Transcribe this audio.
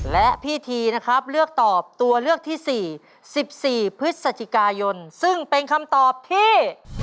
และพี่ทีนะครับเลือกตอบตัวเลือกที่๔๑๔พฤศจิกายนซึ่งเป็นคำตอบที่